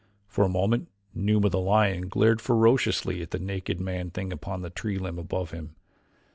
For a moment Numa, the lion, glared ferociously at the naked man thing upon the tree limb above him.